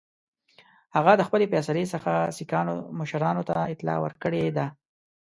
هغه د خپلي فیصلې څخه سیکهانو مشرانو ته اطلاع ورکړې ده.